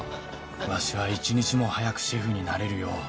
「わしは一日も早くシェフになれるよう」